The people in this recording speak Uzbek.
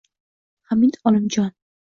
Hamid Olimjon